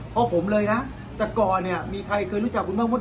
เพราะผมเลยนะแต่ก่อนเนี่ยมีใครเคยรู้จักครึ่งนี่ครับ